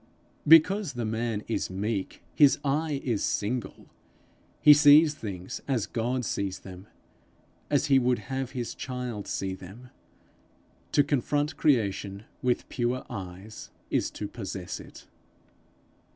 Because the man is meek, his eye is single; he sees things as God sees them, as he would have his child see them: to confront creation with pure eyes is to possess it.